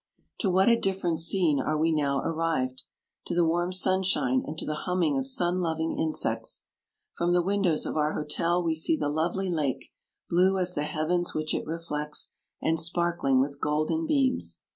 94 To what a different scene are we now arrived ! To the warm sunshine and to the humming of sun loving insects. From the windows of our hotel we see the lovely lake, blue as the heavens which it reflects, and sparkling with golden beams.